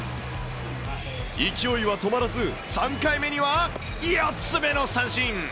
勢いは止まらず、３回目には、４つ目の三振。